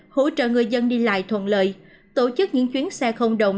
hỗ trợ người dân đi lại thuận lợi tổ chức những chuyến xe không động